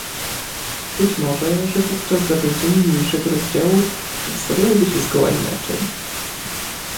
Być może, że wówczas zakończenie niniejszego rozdziału przedstawiałoby się zgoła inaczej.